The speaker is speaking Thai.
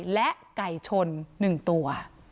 และไก่ชน๑ตัว